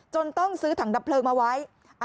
ต้องซื้อถังดับเพลิงมาไว้